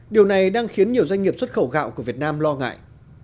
điều này đang khiến nhiều doanh nghiệp xuất khẩu gạo của việt nam lo ngại